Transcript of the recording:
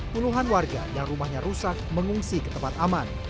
puluhan warga yang rumahnya rusak mengungsi ke tempat aman